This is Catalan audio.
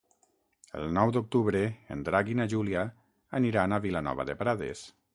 El nou d'octubre en Drac i na Júlia aniran a Vilanova de Prades.